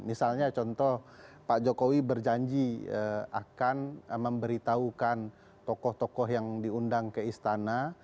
misalnya contoh pak jokowi berjanji akan memberitahukan tokoh tokoh yang diundang ke istana